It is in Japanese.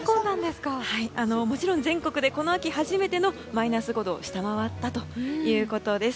もちろん全国でこの秋初めてのマイナス５度を下回ったということです。